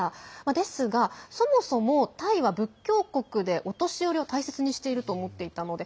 ですが、そもそもタイは仏教国でお年寄りを大切にしていると思っていたので